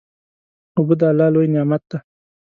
اوبه د الله لوی نعمت دی.